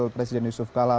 sampai kemari dulu